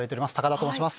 田と申します